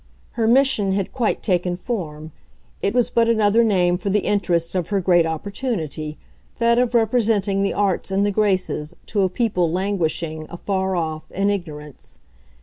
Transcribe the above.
Her mission had quite taken form it was but another name for the interest of her great opportunity that of representing the arts and the graces to a people languishing, afar off, in ignorance.